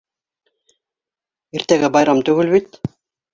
Иртәгә байрам түгел бит.